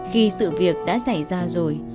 khi sự việc đã xảy ra rồi